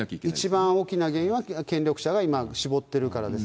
一番大きな原因は、権力者が今、絞ってるからです。